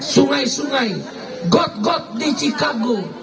sungai sungai got got di chicago